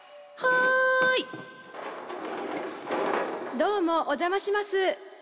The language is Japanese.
どうもお邪魔します。